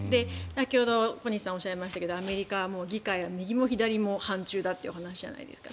先ほど小西さんがおっしゃいましたけどアメリカの議会は右も左も反中だということじゃないですか。